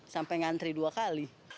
sampai ngantri dua kali